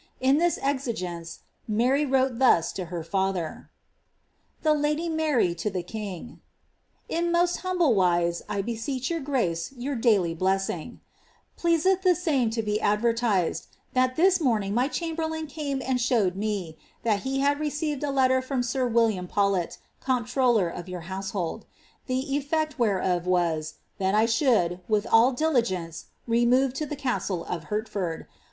In this exigence Mary wrote thus to her father :— Trb Ladt Mart to the Kisre. In most humble wise, I beseech your grace of your daily blessing Pleaseth the tame to be advertised, that this morning my chamberlain came and showed me, that he had received a letter from sir William Paulet, comptroller of your houaelidd ; tlie effect whereof wns, tlmt I should, with all diligence, remove to the castle of Hertford.